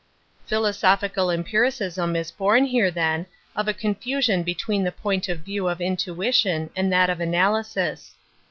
;' Philosophical empiricism is born here, jthen, of a confusion between the point of , /view of intuition and that of analysis.